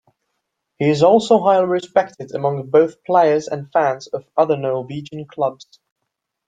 He is also highly respected among both players and fans of other Norwegian clubs.